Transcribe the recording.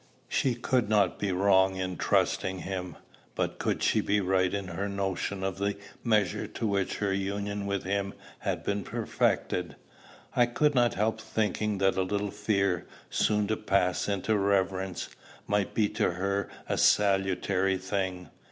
She could not be wrong in trusting him; but could she be right in her notion of the measure to which her union with him had been perfected? I could not help thinking that a little fear, soon to pass into reverence, might be to her a salutary thing.